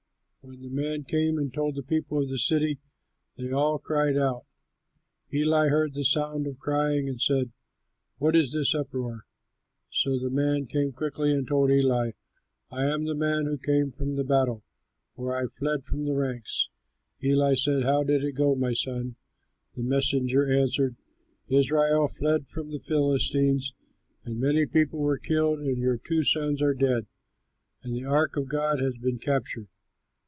When the man came and told the people of the city, they all cried out. Eli heard the sound of crying and said, "What is this uproar?" So the man came quickly and told Eli, "I am the man who came from the battle, for I fled from the ranks." Eli said, "How did it go, my son?" The messenger answered, "Israel fled from the Philistines, and many people were killed, and your two sons are dead, and the ark of God has been captured."